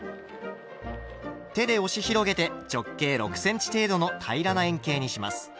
手で押し広げて直径６ｃｍ程度の平らな円形にします。